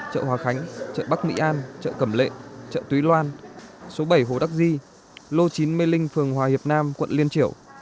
chợ hòa khánh chợ bắc mỹ an chợ cẩm lệ chợ túy loan số bảy hồ đắc di lô chín mê linh phường hòa hiệp nam quận liên triểu